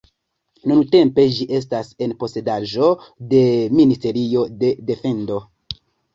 Nuntempe ĝi estas en posedaĵo de Ministerio de defendo.